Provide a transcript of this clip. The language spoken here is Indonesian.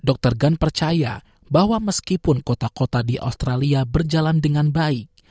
dr gun percaya bahwa meskipun kota kota di australia berjalan dengan baik